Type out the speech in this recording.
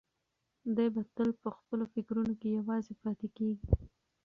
دی به تل په خپلو فکرونو کې یوازې پاتې کېږي.